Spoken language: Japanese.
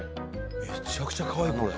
めちゃくちゃかわいい子だよ。